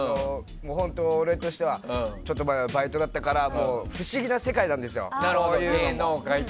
俺としてはちょっと前はバイトだったから不思議な世界なんですよ。